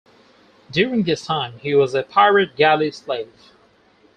During this time he was a pirate galley slave.